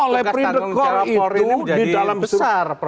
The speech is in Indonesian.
lebride korp itu di dalam besar